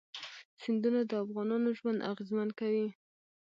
سیندونه د افغانانو ژوند اغېزمن کوي.